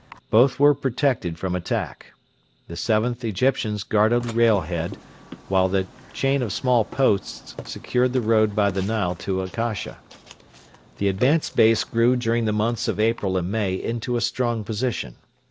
Both were protected from attack. The 7th Egyptians guarded Railhead, while the chain of small posts secured the road by the Nile to Akasha. The advanced base grew during the months of April and May into a strong position.